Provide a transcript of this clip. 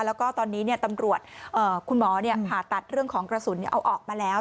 แล้วก็ตอนนี้ตำรวจคุณหมอผ่าตัดเรื่องของกระสุนเอาออกมาแล้ว